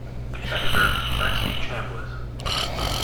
Senator Saxby Chambliss.